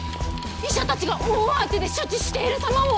医者たちが大慌てで処置している様も！